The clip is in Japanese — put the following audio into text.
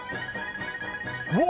うわ！